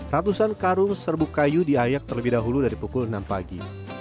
ratusan karung serbuk kayu diayak terlebih dahulu dari pukul enam pagi